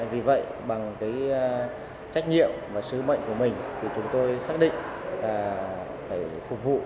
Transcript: vì vậy bằng trách nhiệm và sứ mệnh của mình chúng tôi xác định là phải phục vụ